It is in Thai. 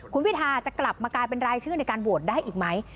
คุณพิทาจะกลับมากลายเป็นรายชื่อในการโหวตได้อีกไหม